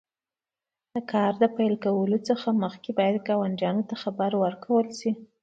د کار پیلولو څخه مخکې باید ګاونډیانو ته خبر ورکړل شي.